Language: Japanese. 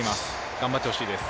頑張ってほしいです。